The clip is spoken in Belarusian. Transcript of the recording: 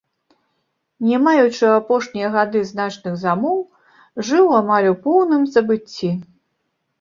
Не маючы ў апошнія гады значных замоў, жыл амаль у поўным забыцці.